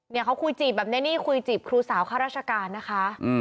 เขาคุยจีบแบบนี้นี่คุยจีบครูสาวข้าราชการนะคะ